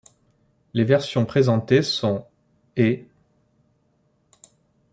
Les versions présentées sont ' et '.